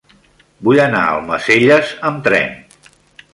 Vull anar a Almacelles amb tren.